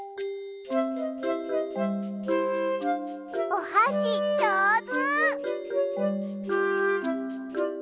おはしじょうず！